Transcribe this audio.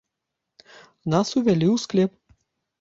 Нас увялі ў склеп.